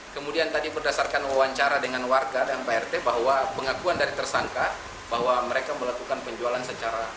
kemudian tadi berdasarkan wawancara dengan warga dan prt bahwa pengakuan dari tersangka bahwa mereka melakukan penjualan secara